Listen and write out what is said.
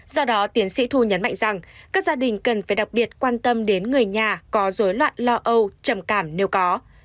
do đó tiến sĩ thu nhấn mạnh rằng các gia đình cần phải đặc biệt quan tâm đến người nhà có dối loạn lo âu trầm cảm nếu có